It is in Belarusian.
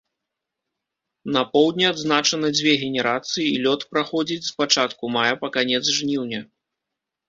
На поўдні адзначана дзве генерацыі і лёт праходзіць з пачатку мая па канец жніўня.